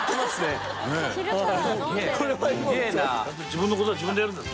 自分のことは自分でやるんだ。